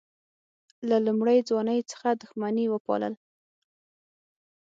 له لومړۍ ځوانۍ څخه دښمني وپالل.